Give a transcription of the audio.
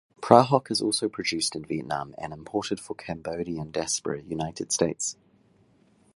Prahok is also produced in Vietnam and imported for Cambodian diaspora United States.